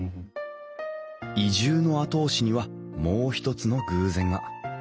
移住の後押しにはもうひとつの偶然が。